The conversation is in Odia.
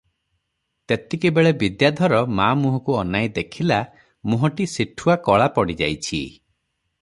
ତେତିକିବେଳେ ବିଦ୍ୟାଧର ମା ମୁହଁକୁ ଅନାଇ ଦେଖିଲା, ମୁହଁଟି ସିଠୁଆ କଳା ପଡ଼ିଯାଇଛି ।